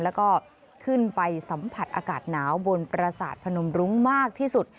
แล้วก็ขึ้นไปสัมผัสอากาศหนาวบนประสาทพนมรุ้งมากที่สุด